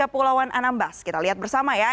dalam gugus kepulauan anambas kita lihat bersama ya